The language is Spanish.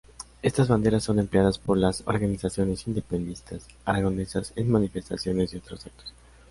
Estas banderas son empleadas por las organizaciones independentistas aragonesas en manifestaciones y otros actos.